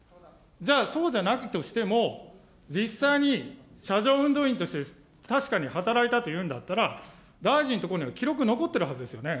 じゃあ、そうじゃなくとしても、実際に車上運動員として確かに働いたというんだったら、だいじんのところには記録、残ってるはずですよね。